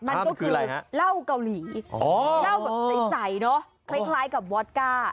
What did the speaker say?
มันก็คือเหล้าเกาหลีเหล้าแบบใสเนอะคล้ายกับวอตก้า